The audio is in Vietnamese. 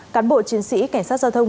cán bộ chiến sĩ cảnh sát giao thông